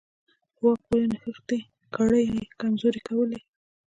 په واک پورې نښتې کړۍ یې کمزورې کولې.